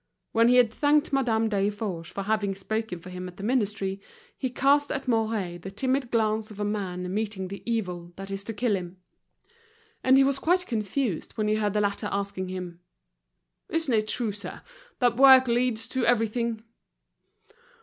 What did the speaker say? When he had thanked Madame Desforges for having spoken for him at the Ministry, he cast at Mouret the timid glance of a man meeting the evil that is to kill him. And he was quite confused when he heard the latter asking him: "Isn't it true, sir, that work leads to everything?"